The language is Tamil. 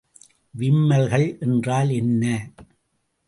விம்மல்கள் என்றால் என்ன?